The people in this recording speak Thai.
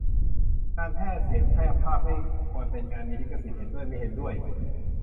งานแพร่เสียงแพร่ภาพไม่ควรเป็นงานมีลิขสิทธิ์ ? เห็นด้วย ไม่เห็นด้วย